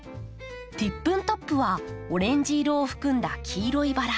ティップントップはオレンジ色を含んだ黄色いバラ。